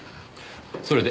それで？